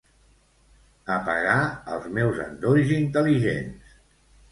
Apagar els meus endolls intel·ligents.